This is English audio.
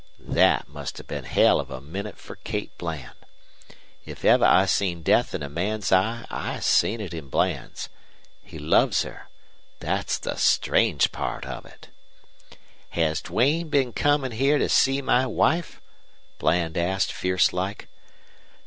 "Thet must hev been a hell of a minnit fer Kate Bland. If evet I seen death in a man's eye I seen it in Bland's. He loves her. Thet's the strange part of it. "'Has Duane been comin' here to see my wife?' Bland asked, fierce like.